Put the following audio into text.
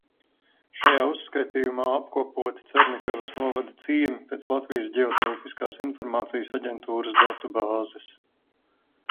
Šajā uzskatījumā apkopoti Carnikavas novada ciemi pēc Latvijas Ģeotelpiskās informācijas aģentūras datubāzes.